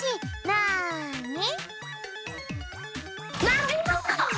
なに？